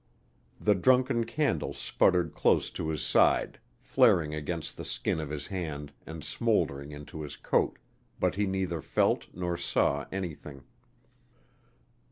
The drunken candle sputtered close to his side, flaring against the skin of his hand and smouldering into his coat, but he neither felt nor saw anything.